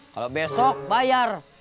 kalau besok bayar